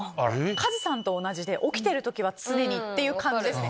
カズさんと同じで起きてる時は常にって感じですね。